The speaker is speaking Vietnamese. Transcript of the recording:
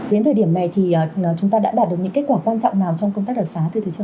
đến thời điểm này thì chúng ta đã đạt được những kết quả quan trọng nào trong công tác đặc sá thưa thưa trưởng